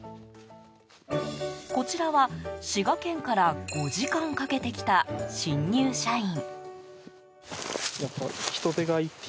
こちらは、滋賀県から５時間かけて来た新入社員。